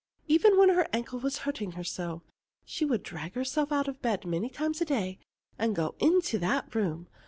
Even when her ankle was hurting her so, she would drag herself out of bed many times a day to go into that room.